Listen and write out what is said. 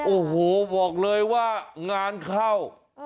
โอ้โหบอกเลยว่างานเข้า